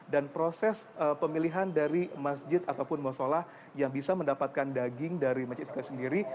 dan proses pemilihan dari masjid ataupun musola yang bisa mendapatkan daging dari masjid istiqlal sendiri